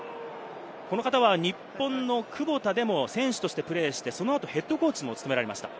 この方は日本のクボタでも選手としてプレーして、その後、ＨＣも務められました。